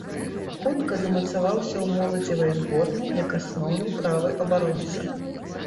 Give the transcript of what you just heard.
Хутка замацаваўся ў моладзевай зборнай як асноўны правы абаронца.